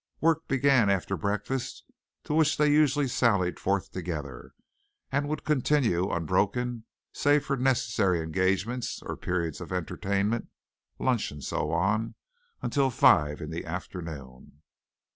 Work began after breakfast, to which they usually sallied forth together, and would continue unbroken save for necessary engagements or periods of entertainment, lunch and so on, until five in the afternoon.